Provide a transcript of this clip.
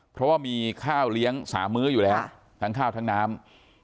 เพราะว่ามีข้าวเลี้ยง๓มื้ออยู่แล้วทั้งข้าวทั้งน้ำ